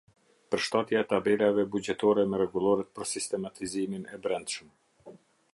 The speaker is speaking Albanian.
Përshtatja e tabelave buxhetore me rregulloret për sistematizimin e brendshëm.